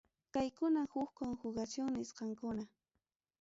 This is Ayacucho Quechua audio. Kaykunam huk conjugación nisqankuna.